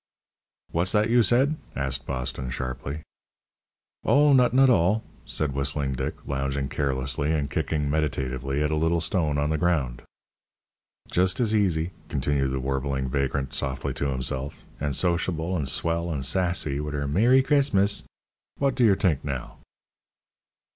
"What's that you said?" asked Boston, sharply. "Oh, nuttin' 't all," said Whistling Dick, lounging carelessly, and kicking meditatively at a little stone on the ground. "Just as easy," continued the warbling vagrant softly to himself, "an' sociable an' swell an' sassy, wit' her 'Mer ry Chris mus,' Wot d'yer t'ink, now!"